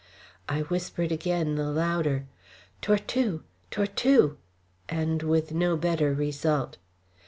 I whispered again the louder: "Tortue! Tortue!" and with no better result.